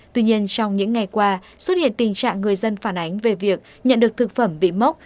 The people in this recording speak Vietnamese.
tuy nhiên trong những ngày qua xuất hiện tình trạng người dân phản ánh về việc nhận được thực phẩm bị mốc